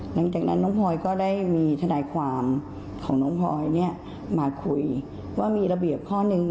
หลังจากนั้นน้องพลอยก็ได้มีทนายความของน้องพลอยเนี่ยมาคุยว่ามีระเบียบข้อหนึ่ง